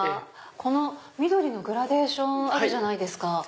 この緑のグラデーションあるじゃないですか。